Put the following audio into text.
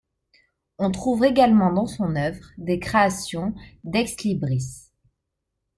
On trouve également dans son œuvre des créations d'ex-libris.